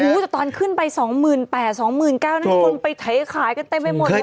หู้ตอนขึ้นไป๒๘๐๐๐๒๙๐๐๐นั่นคือควรไปถ่ายขายกันตั้งไว้หมดเลย